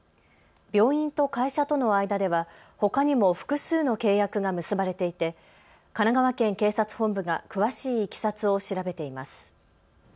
病院と会社との間では、ほかにも複数の契約が結ばれていて神奈川県警察本部が詳しいいきさつを調べています。